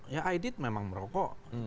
ya aidit memang merokok